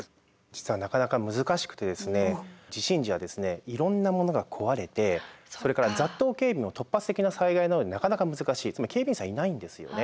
実はなかなか難しくてですね地震時はですねいろんなものが壊れてそれから雑踏警備も突発的な災害などはなかなか難しいつまり警備員さんいないんですよね。